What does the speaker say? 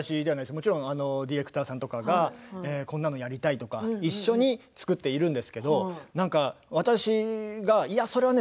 もちろんディレクターさんとかこんなのやりたいとか、一緒に作っているんですけれどもなんか私が、いやそれはね